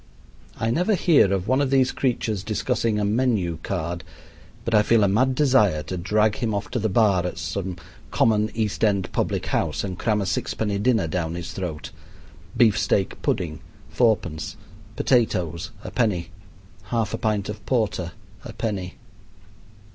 I never hear of one of these creatures discussing a menu card but I feel a mad desire to drag him off to the bar of some common east end public house and cram a sixpenny dinner down his throat beefsteak pudding, fourpence; potatoes, a penny; half a pint of porter, a penny.